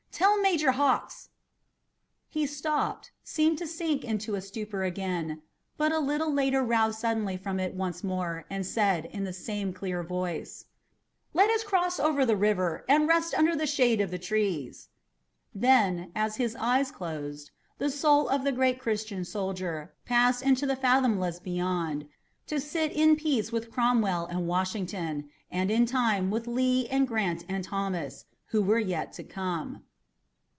Tell Major Hawks " He stopped, seemed to sink into a stupor again, but a little later roused suddenly from it once more, and said, in the same clear voice: "Let us cross over the river and rest under the shade of the trees." Then, as his eyes closed, the soul of the great Christian soldier passed into the fathomless beyond, to sit in peace with Cromwell and Washington, and in time with Lee and Grant and Thomas, who were yet to come.